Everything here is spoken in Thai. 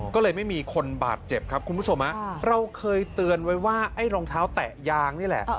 ก็เลยไม่มีคนบาดเจ็บครับคุณผู้ชมเราเคยเตือนไว้ว่าไอ้รองเท้าแตะยางนี่แหละ